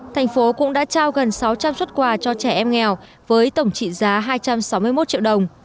thành phố cũng đã trao gần sáu trăm linh xuất quà cho trẻ em nghèo với tổng trị giá hai trăm sáu mươi một triệu đồng